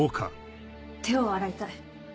手を洗いたい。